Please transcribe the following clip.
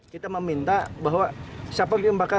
kita meminta bahwa siapa yang bakal